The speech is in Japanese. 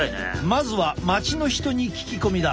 まずは町の人に聞き込みだ。